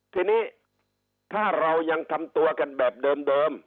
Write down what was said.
ทีนี้ถ้าเรายังทำตัวกันแบบเดิม